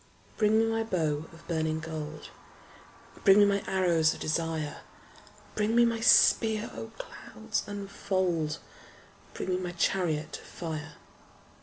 Bring me my bow of burning gold: Bring me my arrows of desire: Bring me my spear: O clouds unfold! Bring me my chariot of fire.